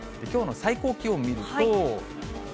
きょうの最高気温見ると。